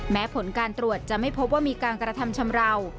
แม้ผลการตรวจจะไม่พบว่ามีการกระทำชำราว